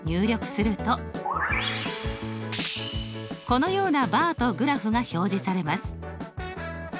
このようなバーとグラフが表示されます。